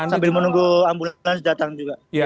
sambil menunggu ambulans datang juga